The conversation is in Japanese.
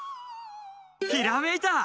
ひらめいた！